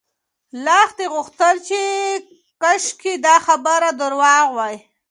لښتې غوښتل چې کاشکې دا خبر درواغ وای.